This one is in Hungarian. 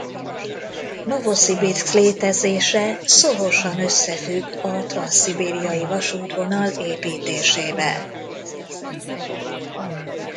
Novoszibirszk létezése szorosan összefügg a Transzszibériai vasútvonal építésével.